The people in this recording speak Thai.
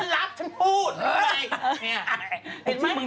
เออฉันรับฉันพูด